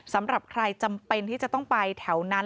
สำหรับใครจำเป็นที่จะต้องไปแถวนั้น